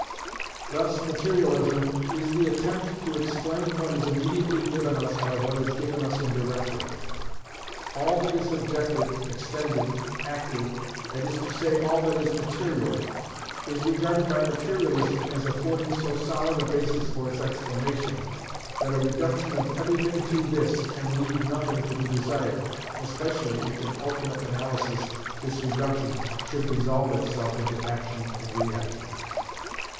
Thus materialism is the attempt to explain what is immediately given us by what is given us indirectly. All that is objective, extended, active—that is to say, all that is material—is regarded by materialism as affording so solid a basis for its explanation, that a reduction of everything to this can leave nothing to be desired (especially if in ultimate analysis this reduction should resolve itself into action and reaction).